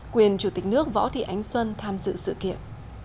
quyền chủ tịch nước võ thị ánh xuân tham dự sự kiện